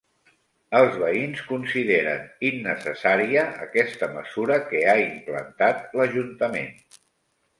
Els veïns consideren innecessària aquesta mesura que ha implantat l'ajuntament.